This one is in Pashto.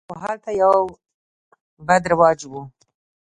خو هلته یو بد رواج و.